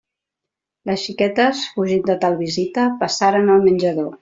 Les xiquetes, fugint de tal visita, passaren al menjador.